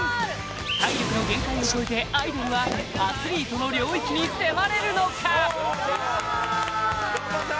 体力の限界を超えてアイドルはアスリートの領域に迫れるのか？